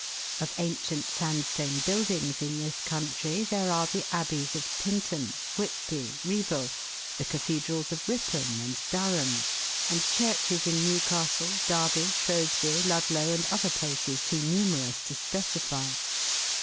Of ancient sandstone buildings in this country there are the abbeys of Tintern, Whitby, Rivaulx, the cathedrals of Ripon and Durham, and churches in Newcastle, Derby, Shrewsbury, Ludlow, and other places too numerous to specify.